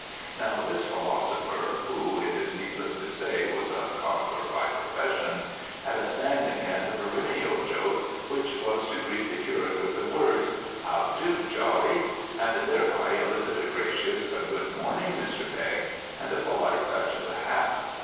Now this philosopher—who, it is needless to say, was a cobbler by profession—had a standing and perennial joke, which was to greet the curate with the words: "How do, Jawley?" and thereby elicit a gracious "Good morning, Mr. Pegg" and a polite touch of the hat.